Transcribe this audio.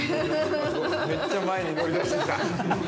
◆めっちゃ前に乗り出してきた。